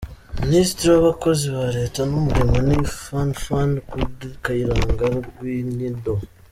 Ministre w’abakozi ba Leta n’umurimo ni Fanfan Kayirangwa Rwinyindo